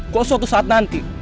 kok suatu saat nanti